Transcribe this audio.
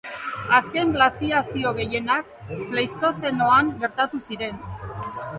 Azken glaziazio gehienak Pleistozenoan gertatu ziren.